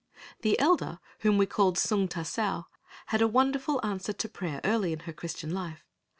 The elder whom we called Sung ta sao had a wonderful answer to prayer early in her Christian life.